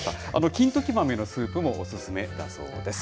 金時豆のスープもおすすめだそうです。